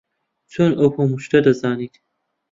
چۆن ئەو هەموو شتە دەزانیت؟